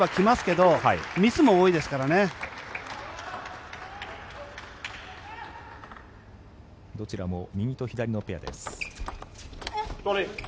どちらも右と左のペアです。